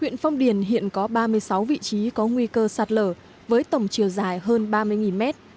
huyện phong điền hiện có ba mươi sáu vị trí có nguy cơ sạt lở với tổng chiều dài hơn ba mươi mét